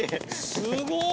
すごい！